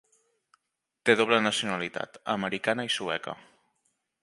Té doble nacionalitat americana i sueca.